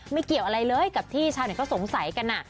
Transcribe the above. เกี่ยวอะไรเลยกับที่ชาวเน็ตเขาสงสัยกัน